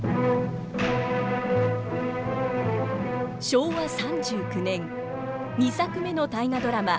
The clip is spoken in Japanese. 昭和３９年２作目の大河ドラマ